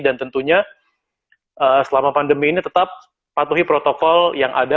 dan tentunya selama pandemi ini tetap patuhi protokol yang ada